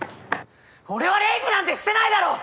俺はレイプなんてしてないだろ！？